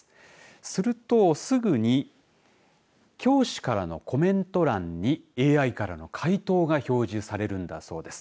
するとすぐに教師からのコメント欄にＡＩからの回答が表示されるんだそうです。